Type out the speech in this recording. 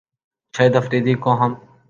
شاہد فریدی کو ہم